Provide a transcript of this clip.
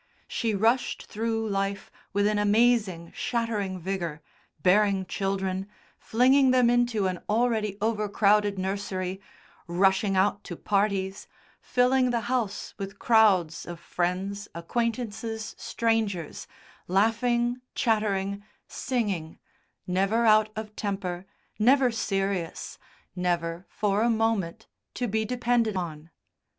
She rushed through life with an amazing shattering vigour, bearing children, flinging them into an already overcrowded nursery, rushing out to parties, filling the house with crowds of friends, acquaintances, strangers, laughing, chattering, singing, never out of temper, never serious, never, for a moment, to be depended on.